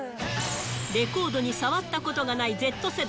レコードに触ったことがないＺ世代。